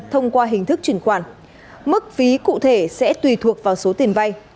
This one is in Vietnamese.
thông qua hình thức chuyển khoản mức phí cụ thể sẽ tùy thuộc vào số tiền vay